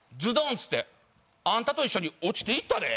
っつってあんたと一緒に落ちていったで」。